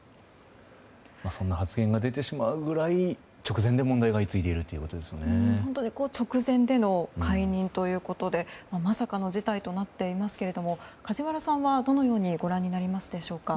そんな発言が出てしまうくらい直前での解任ということでまさかの事態となっていますけれど梶原さんはどのようにご覧になりますでしょうか。